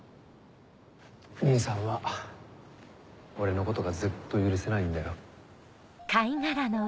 兄さんは俺のことがずっと許せないんだよ